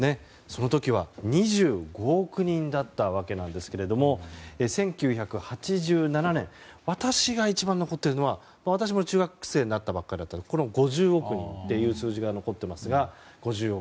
その時は２５億人だったわけですが１９８７年私が一番残っているのは私も中学生になったばかりだったのでこの５０億人という数字が残っています。